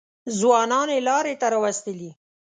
ځوانان یې لارې ته راوستلي.